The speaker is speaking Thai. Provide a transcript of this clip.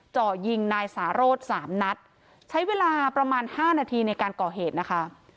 เจาะยิงนายสารสสามนัดใช้เวลาประมาณห้านาทีในการก่อเหตุนะคะ